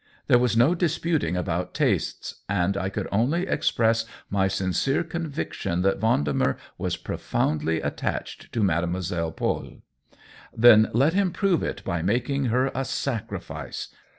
There was no disputing about tastes, and I could only express my sincere conviction that Vendemer was profoundly attached to Mademoiselle Paule. "Then let him prove it by making her a sacrifice